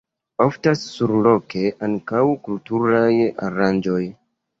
Oftas surloke ankaŭ kulturaj aranĝoj.